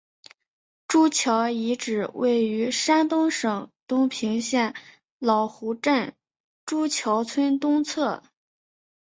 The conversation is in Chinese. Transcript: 朱桥遗址位于山东省东平县老湖镇朱桥村东侧。